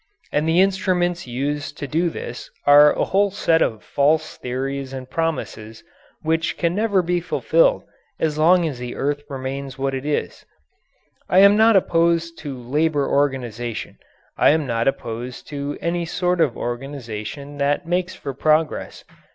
And the instruments used to do this are a whole set of false theories and promises which can never be fulfilled as long as the earth remains what it is. I am not opposed to labour organization. I am not opposed to any sort of organization that makes for progress.